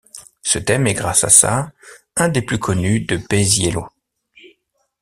Ce thème est grâce à ça, un des plus connus de Paisiello.